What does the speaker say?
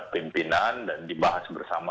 pimpinan dan dibahas bersama